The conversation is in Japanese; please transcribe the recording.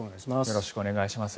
よろしくお願いします。